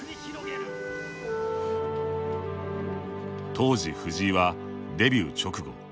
当時、藤井はデビュー直後。